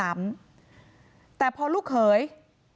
นายพิรายุนั่งอยู่ตรงบันไดบ้านนี่นะคะบ้านอยู่ติดกันแบบนี้นะคะ